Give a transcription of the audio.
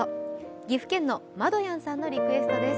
岐阜県のまどやんさんのリクエストです。